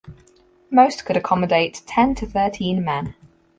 Most could accommodate ten to thirteen men.